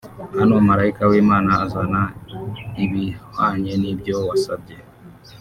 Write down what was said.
Hano malayika w'Imana azana ibihwanye n'ibyo wasabye